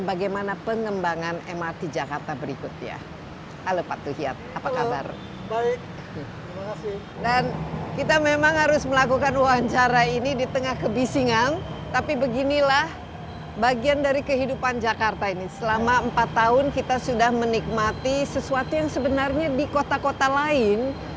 sudah empat tahun mrt atau mass rapid transit merupakan bagian dari kehidupan jakarta lebih dari enam puluh juta persen